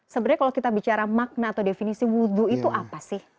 sebenarnya kalau kita bicara makna atau definisi wudhu itu apa sih